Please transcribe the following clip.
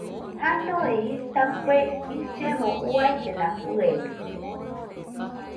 Janore jisa kue illemo uaillena fɨebite